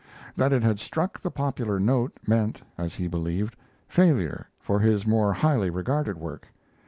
That it had struck the popular note meant, as he believed, failure for his more highly regarded work.